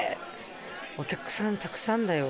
お客さんたくさんだよ。